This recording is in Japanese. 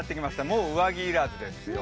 もう上着要らずですよ。